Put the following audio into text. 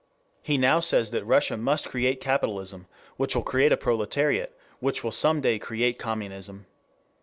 He now says that Russia must create capitalism, which will create a proletariat, which will some day create communism.